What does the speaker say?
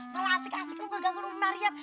malah asik asik lu keganggu umi maryam